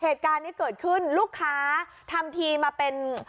เหตุการณ์นี้เกิดขึ้นลูกค้าทำทีมาเป็น